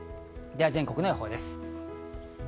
全国の予報です。